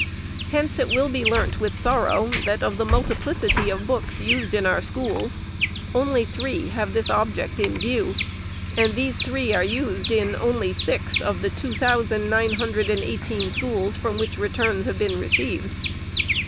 Hence it will be learnt with sorrow, that of the multiplicity of books used in our schools, only three have this object in view ; and these three are used in only six of the two thousand nine hundred and eighteen schools from which returns have been received.